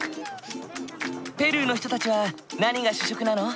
ペルーの人たちは何が主食なの？